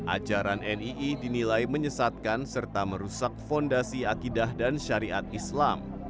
ajaran nii dinilai menyesatkan serta merusak fondasi akidah dan syariat islam